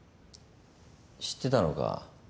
知ってたのか？